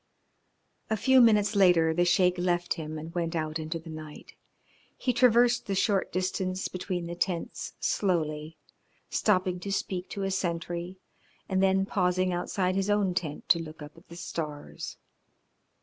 A few minutes later the Sheik left him and went out into the night. He traversed the short distance between the tents slowly, stopping to speak to a sentry, and then pausing outside his own tent to look up at the stars.